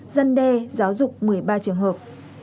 dân đe giáo dục một mươi ba trường hợp